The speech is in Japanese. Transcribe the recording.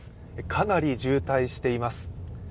かなり渋滞しています。